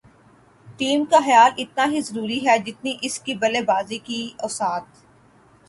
team کا خیال اتنا ہی ضروری ہے جتنی اس کی بلےبازی کی اوسط